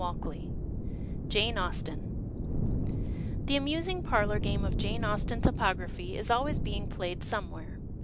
256 JANE AUSTEN The amusing parlour gamc of Jane Austen topography is always being played somewhere.